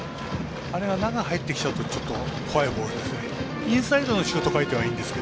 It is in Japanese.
あれが中に入ってきちゃうとちょっと怖いボールです。